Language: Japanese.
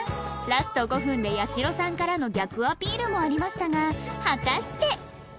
ラスト５分で８４６さんからの逆アピールもありましたが果たして